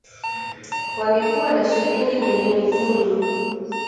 wangekuwa na shilingi milioni kumi